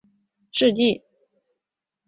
黄遵宪纪念馆内有黄遵宪生平事迹展。